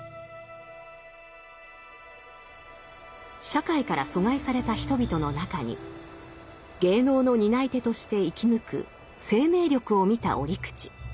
社会から疎外された人々の中に芸能の担い手として生き抜く生命力を見た折口。